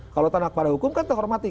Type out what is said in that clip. kalau tanda pada hukum kan kita hormati